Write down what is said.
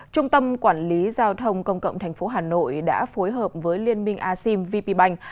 trung tâm quản lý giao thông công cộng tp hà nội đã phối hợp với liên minh asean vp bank